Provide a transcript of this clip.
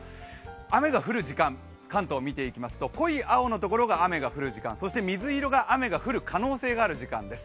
雨が降る時間、関東見ていきますと濃い青のところが雨が降る時間、そして水色が雨が降る可能性がある時間です。